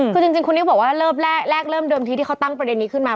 คือจริงคุณนิวบอกว่าเริ่มแรกเริ่มเดิมทีที่เขาตั้งประเด็นนี้ขึ้นมา